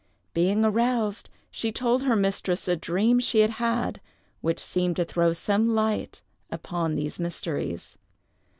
Being aroused, she told her mistress a dream she had had, which seemed to throw some light upon these mysteries.